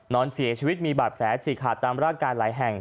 นอนเสียชีวิตมีบาดแผลฉีกขาดตามร่างกายหลายแห่ง